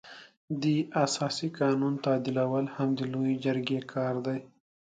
د اساسي قانون تعدیلول هم د لويې جرګې کار دی.